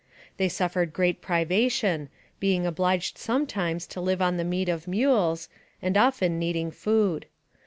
They suffered great privation, being obliged some times to live on the meat of mules, and often needing food.